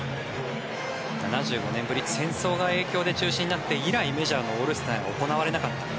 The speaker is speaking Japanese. ７５年ぶり、戦争が影響で中止になって以来メジャーのオールスターが行われなかった。